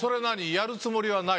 やるつもりはない？